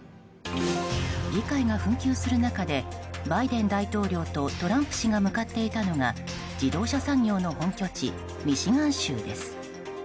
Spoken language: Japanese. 議会が紛糾する中でバイデン大統領とトランプ氏が向かっていたのが自動車産業の本拠地ミシガン州です。